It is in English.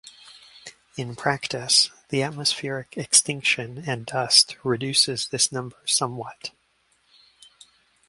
In practice, the atmospheric extinction and dust reduces this number somewhat.